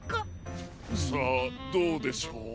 さあどうでしょう？